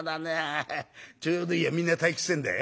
ちょうどいいやみんな退屈してんだ。